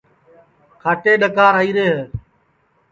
کھاٹے ڈؔکار آئیرے ہے